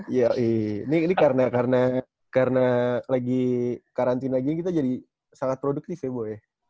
iya ini karena lagi karantina gini kita jadi sangat produktif ya bu ya